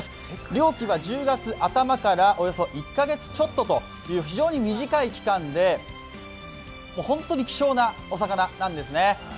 漁期は１０月頭から１か月ちょっとという非常に短い期間で、本当に希少なお魚なんですね。